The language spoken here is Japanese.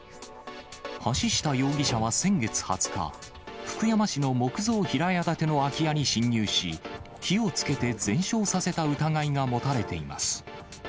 橋下容疑者は先月２０日、福山市の木造平屋建ての空き家に侵入し、火をつけて全焼させた疑いが持たれています。